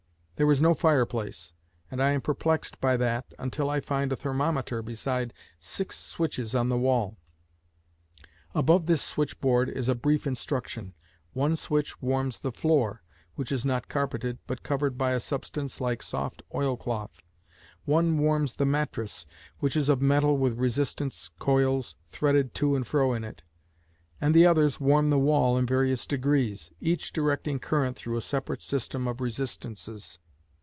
There is no fireplace, and I am perplexed by that until I find a thermometer beside six switches on the wall. Above this switch board is a brief instruction: one switch warms the floor, which is not carpeted, but covered by a substance like soft oilcloth; one warms the mattress (which is of metal with resistance coils threaded to and fro in it); and the others warm the wall in various degrees, each directing current through a separate system of resistances.